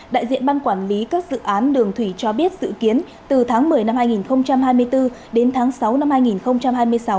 đại diện ban quản lý các dự án đường thủy cho biết dự kiến từ tháng một mươi năm hai nghìn hai mươi bốn đến tháng sáu năm hai nghìn hai mươi sáu